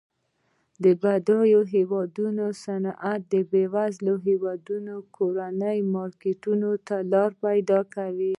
د بډایه هیوادونو صنعت د بیوزله هیوادونو کورني مارکیټ ته لار پیداکوي.